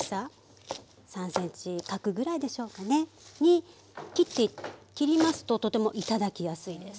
３ｃｍ角ぐらいでしょうかねに切りますととても頂きやすいです。